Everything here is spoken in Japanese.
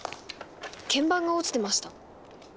鍵盤が落ちてました。